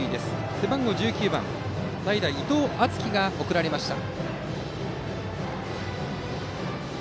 背番号１９番代打・伊藤充輝が送られました。